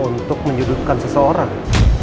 untuk menyudutkan seseorang